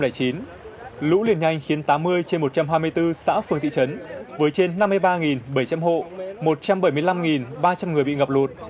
lũ liền nhanh khiến tám mươi trên một trăm hai mươi bốn xã phường thị trấn với trên năm mươi ba bảy trăm linh hộ một trăm bảy mươi năm ba trăm linh người bị ngập lụt